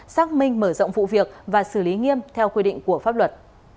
xác minh mở rộng vụ việc và xử lý nghiêm theo quy định của pháp luật